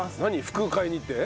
服を買いに行って？